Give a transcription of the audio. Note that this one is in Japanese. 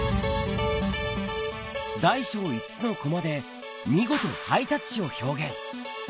大小５つのコマで、見事ハイタッチを表現。